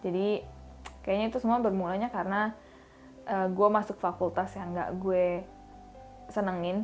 jadi kayaknya itu semua bermulanya karena gue masuk fakultas yang gak gue senengin